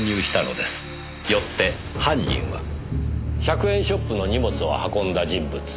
よって犯人は１００円ショップの荷物を運んだ人物。